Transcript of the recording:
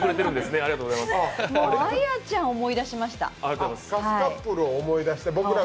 あやちゃん思い出しました。